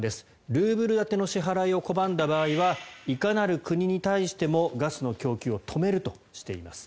ルーブル建ての支払いを拒んだ場合はいかなる国に対してもガスの供給を止めるとしています。